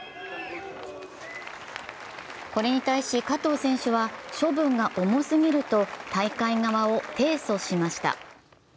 これに対し、加藤選手は処分が重すぎると大会側を提訴しました。